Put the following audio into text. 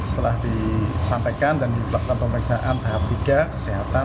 setelah disampaikan dan dilakukan pemeriksaan tahap tiga kesehatan